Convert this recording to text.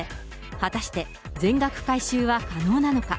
果たして全額回収は可能なのか。